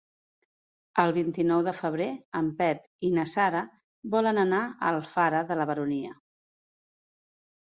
El vint-i-nou de febrer en Pep i na Sara volen anar a Alfara de la Baronia.